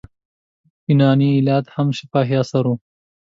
یوناني ایلیاد هم شفاهي اثر و.